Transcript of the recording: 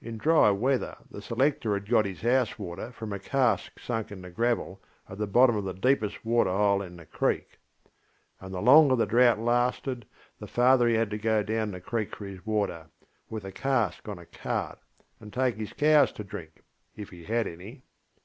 In dry weather the selector had got his house water from a cask sunk in the gravel at the bottom of the deepest water hole in the creek. And the longer the drought lasted, the farther he had to go down the creek for his water, with a cask on a cart, and take his cows to drink, if he had any.